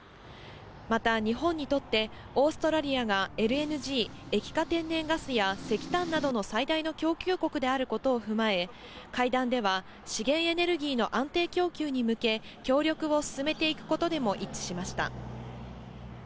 また日本にとって、オーストラリアがＬＮＧ・液化天然ガスや石炭などの最大の供給国であることを踏まえ、会談では資源エネルギーの安定供給に向け、協力を進めていくことでも一致しました。